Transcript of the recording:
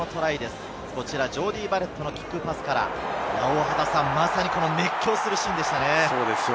ディー・バレットのキックパスから、まさに熱狂するシーンでしたね。